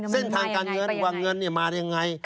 เส้นทางการเงินมาอย่างไร